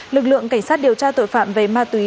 lực lượng cảnh sát điều tra tội phạm về ma túy